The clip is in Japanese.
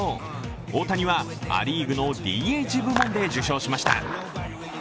大谷はア・リーグのＤＨ部門で受賞しました。